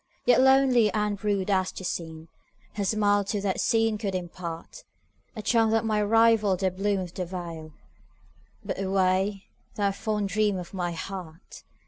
Yet lonely and rude as the scene, Her smile to that scene could impartA charm that might rival the bloom of the vale,—But away, thou fond dream of my heart!